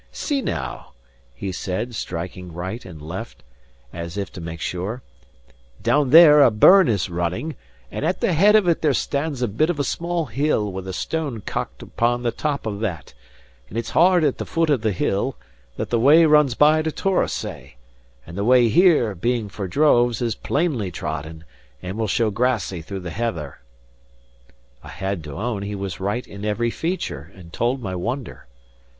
See, now," he said, striking right and left, as if to make sure, "down there a burn is running; and at the head of it there stands a bit of a small hill with a stone cocked upon the top of that; and it's hard at the foot of the hill, that the way runs by to Torosay; and the way here, being for droves, is plainly trodden, and will show grassy through the heather." I had to own he was right in every feature, and told my wonder.